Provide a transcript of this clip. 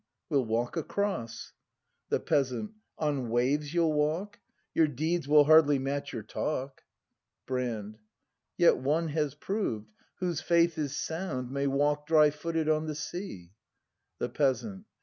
We'll walk across. The Peasant. On waves you'll walk ? Your deeds will hardly match your talk. Brand. Yet one has proved, — whose faith is sound May walk dry footed on the sea. The Peasant.